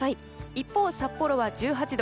一方、札幌は１８度。